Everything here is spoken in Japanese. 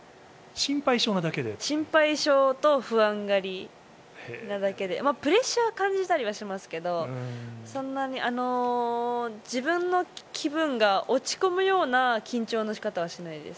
心配性なのと、不安がり、プレッシャーを感じたりはしますけど、自分の気分が落ち込むような緊張の仕方はしないです。